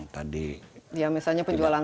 tadi ya misalnya penjualan